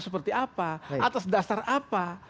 seperti apa atas dasar apa